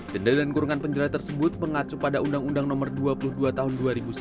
denda dan kurungan penjara tersebut mengacu pada undang undang nomor dua puluh dua tahun dua ribu satu